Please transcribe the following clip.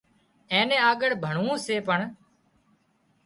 اين نين آڳۯ ڀڻوون سي پر